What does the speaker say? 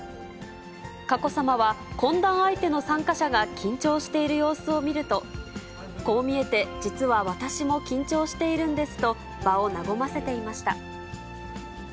佳子さまは、懇談相手の参加者が緊張している様子を見ると、こう見えて、実は私も緊張しているんですと、場を和ませていました。